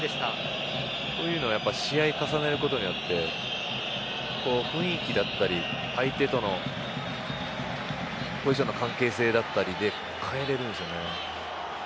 こういうのって試合を重ねるごとに雰囲気だったり相手とのポジションの関係性だったりで変えれるんですよね。